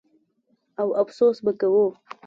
او افسوس به کوو.